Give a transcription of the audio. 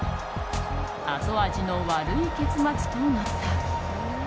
後味の悪い結末となった。